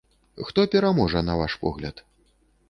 Хто пераможа, на ваш погляд?